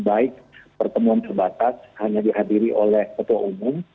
baik pertemuan terbatas hanya dihadiri oleh ketua umum